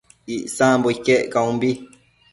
Icsambo iquec caunbi